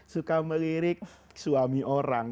suka melirik suami orang